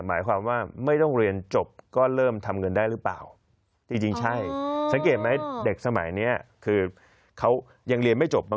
หมายความว่าไม่ต้องเรียนจบก็เริ่มทำเงินได้หรือเปล่า